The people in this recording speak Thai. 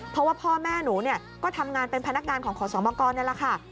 เพราะว่าพ่อแม่หนูก็ทำงานเป็นพนักงานของขอสองบอกอนี่ล่ะค่ะ